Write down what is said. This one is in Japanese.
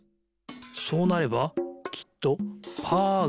そうなればきっとパーがでる。